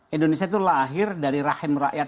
indonesia itu lahir dari rahim rakyat